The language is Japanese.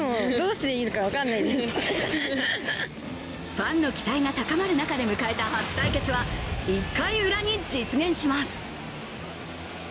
ファンの期待が高まる中で迎えた初対決は１回ウラに実現します。